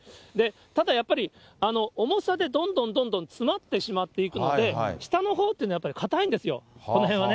ただやっぱり、重さでどんどんどんどん積もってしまっていくので、下のほうというのはやっぱり硬いんですよ、この辺はね。